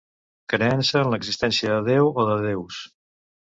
Creença en l'existència de Déu o de déus.